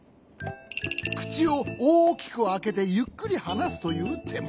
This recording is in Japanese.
くちをおおきくあけてゆっくりはなすというても。